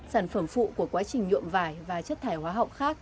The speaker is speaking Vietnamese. sản phẩm phụ của quá trình nhuộm vải và chất thải hóa học khác